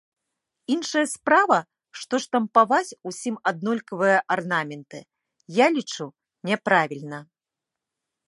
Іншая справа, што штампаваць усім аднолькавыя арнаменты, я лічу, няправільна.